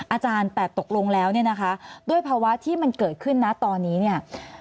อาจารย์แต่ตกลงแล้วเนี่ยนะคะด้วยภาวะที่มันเกิดขึ้นนะตอนนี้เนี่ย